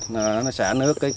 nó xả nước